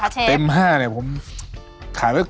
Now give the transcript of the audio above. เต็ม๕ให้เวลาคะเชฟ